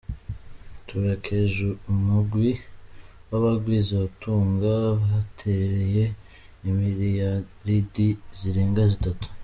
"Turakeje umugwi w'abagwizatunga baterereye imiliaridi zirenga zitatu.